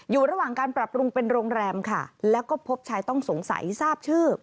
อยู่ระหว่างการปรับปรุงเป็นโรงแรมค่ะแล้วก็พบชายต้องสงสัยทราบชื่อ